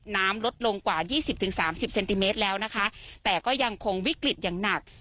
น้ำลดลงกว่ายี่สิบถึงสามสิบเซนติเมตรแล้วนะคะแต่ก็ยังคงวิกฤตอย่างหนัก